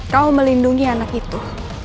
kamu melindungi anak itu